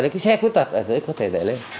cái xe khuyết tật ở dưới có thể lẻ lên